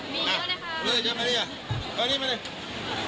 มีแล้วนะคะ